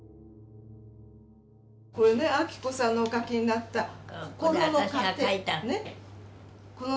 これ明子さんのお書きになった「こころの糧」。